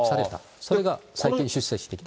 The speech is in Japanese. それが最近出世してきた。